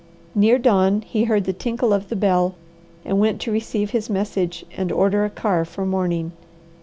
Near dawn he heard the tinkle of the bell and went to receive his message and order a car for morning.